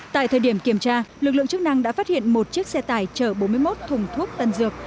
tại thời điểm kiểm tra lực lượng chức năng đã phát hiện một chiếc xe tải chở bốn mươi một thùng thuốc tân dược